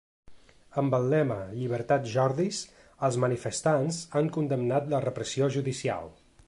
Amb el lema ‘Llibertat Jordis’, els manifestants han condemnat la repressió judicial.